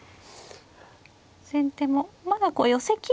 先手もまだこう寄せきるには。